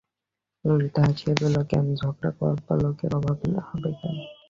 ললিতা হাসিয়া কহিল, কেন, ঝগড়া করবার লোকের অভাব হবে কেন?